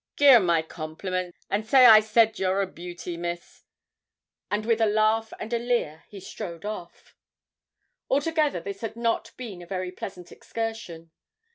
Gi'e her my compliments, and say I said you're a beauty, Miss;' and with a laugh and a leer he strode off. Altogether this had not been a very pleasant excursion.